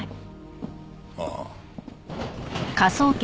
ああ。